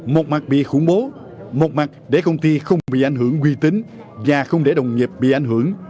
một mặt bị khủng bố một mặt để công ty không bị ảnh hưởng quy tính và không để đồng nghiệp bị ảnh hưởng